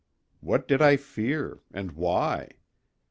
What did I fear, and why?